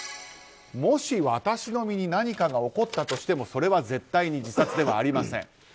もし私の身に何かが起こったとしてもそれは絶対に自殺ではありません。